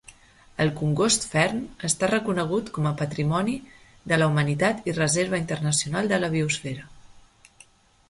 El congost Fern està reconegut com a Patrimoni de la Humanitat i Reserva Internacional de la Biosfera.